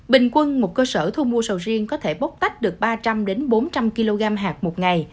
bình quân một cơ sở thu mua sầu riêng có thể bốc tách được ba trăm linh bốn trăm linh kg hạt một ngày